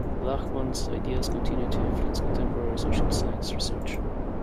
Lachmann's ideas continue to influence contemporary social science research.